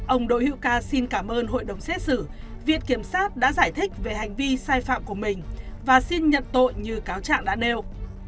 ông đỗ hữu ca xin cảm ơn hội đồng xét xử viện kiểm sát đã giải thích về hành vi sai phạm của mình và xin nhận tội như cáo trạng đã nêu